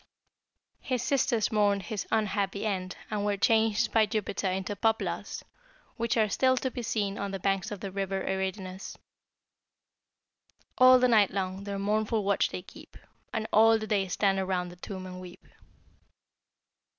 "His sisters mourned his unhappy end, and were changed by Jupiter into poplars, which are still to be seen on the banks of the River Eridanus. "'All the night long their mournful watch they keep, And all the day stand round the tomb and weep.'"